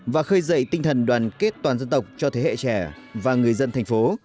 và khơi dậy tinh thần đoàn kết toàn dân tộc cho thế hệ trẻ và người dân thành phố